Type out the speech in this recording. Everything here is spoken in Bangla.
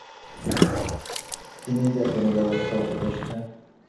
তিনি জাতীয় নিরাপত্তা উপদেষ্টা!